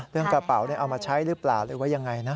กระเป๋าเอามาใช้หรือเปล่าหรือว่ายังไงนะ